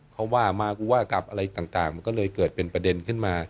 เขาว่ามากูว่ากลับอะไรต่างมันก็เลยเกิดเป็นประเด็นขึ้นมา